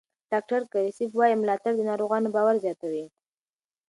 ډاکټر کریسپ وایي ملاتړ د ناروغانو باور زیاتوي.